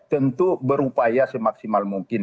tentu berupaya semaksimal mungkin